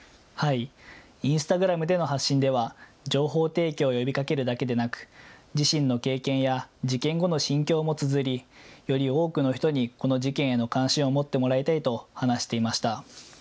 インスタグラムでの発信では情報提供を呼びかけるだけでなく自身の経験や事件後の心境もつづり、より多くの人にこの事件への関心を持ってもらいたいと話していました。